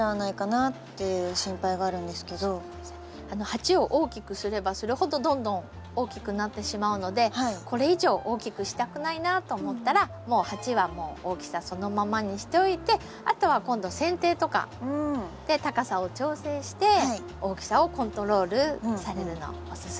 鉢を大きくすればするほどどんどん大きくなってしまうのでこれ以上大きくしたくないなと思ったらもう鉢は大きさそのままにしておいてあとは今度せん定とかで高さを調整して大きさをコントロールされるのをおすすめします。